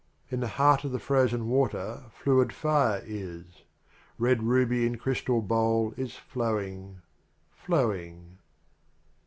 In the heart of the frozen water fluid fire is; Red ruby in chrystal bow J is flowing, flowing.